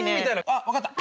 あっ分かった。